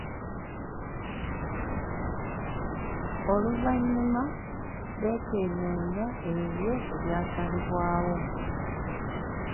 Oluvanyuma bekeneenya ebyo ebyasalibwawo.